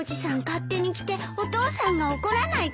勝手に来てお父さんが怒らないかな。